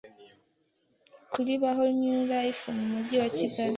kuri baho new life mu mujyi wa Kigali,